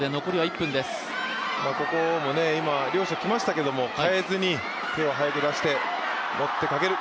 ここも両者来ましたけれどもかえずに、手を速く出して、持ってかける。